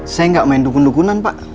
saya nggak main dukun dukunan pak